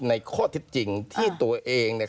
ในข้อเท็จจริงที่ตัวเองเนี่ย